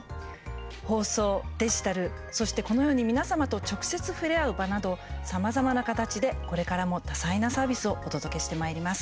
放送、デジタルそして、このように皆様と直接触れ合う場などさまざまな形でこれからも多彩なサービスをお届けしてまいります。